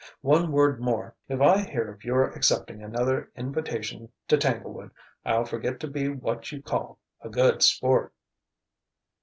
"One word more: if I hear of your accepting another invitation to Tanglewood, I'll forget to be what you call 'a good sport'."